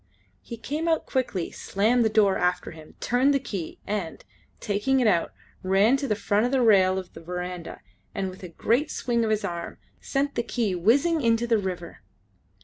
He came out quickly, slammed the door after him, turned the key, and, taking it out, ran to the front rail of the verandah, and, with a great swing of his arm, sent the key whizzing into the river.